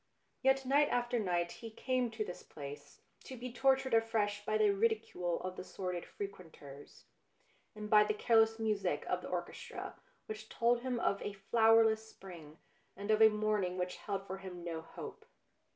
Yet night after night he came to this place, to be tortured afresh by the ridicule of the sordid frequenters, and by the careless music of the orchestra which told him of a flowerless spring and of a morning which held for him no hope.